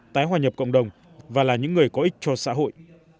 tái hòa nhập cộng đồng và là những người có ích cho xã hội